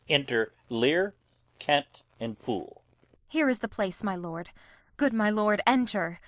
Enter Lear, Kent, and Fool. Kent. Here is the place, my lord. Good my lord, enter.